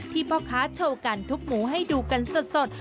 พ่อค้าโชว์การทุบหมูให้ดูกันสด